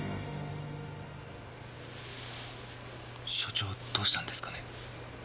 所長どうしたんですかね？